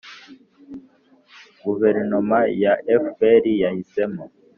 guverinoma ya fpr yahisemo